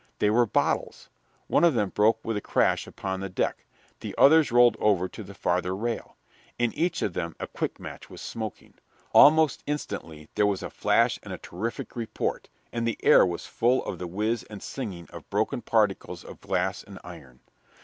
They were bottles. One of them broke with a crash upon the deck. The others rolled over to the farther rail. In each of them a quick match was smoking. Almost instantly there was a flash and a terrific report, and the air was full of the whiz and singing of broken particles of glass and iron.